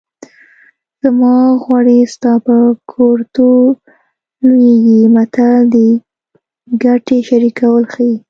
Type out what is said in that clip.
زما غوړي ستا په کورتو لوېږي متل د ګټې شریکول ښيي